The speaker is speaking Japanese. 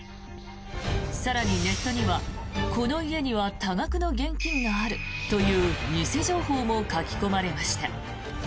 更にネットには、この家には多額の現金があるという偽情報も書き込まれました。